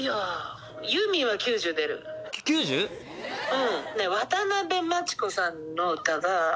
うん。